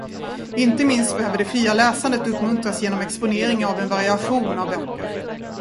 Inte minst behöver det fria läsandet uppmuntras genom exponering av en variation av böcker.